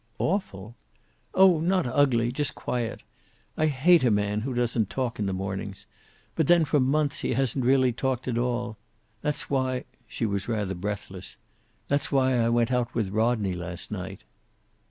"Awful?" "Oh, not ugly. Just quiet. I hate a man who doesn't talk in the mornings. But then, for months, he hasn't really talked at all. That's why" she was rather breathless "that's why I went out with Rodney last night."